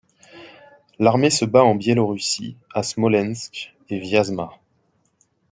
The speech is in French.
L'armée se bat en Biélorussie, à Smolensk et Vyazma.